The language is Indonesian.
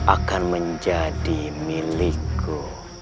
akan menjadi milikku